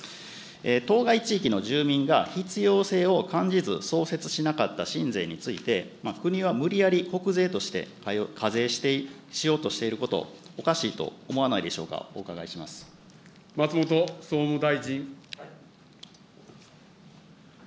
当該地域の住民が必要性を感じず、創設しなかった新税について、国は無理やり国税として課税しようとしていること、おかしいと思わ松本総務大臣。